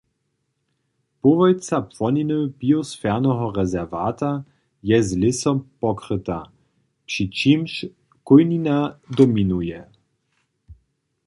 Połojca płoniny biosferoweho rezerwata je z lěsom pokryta, při čimž chójnina dominuje.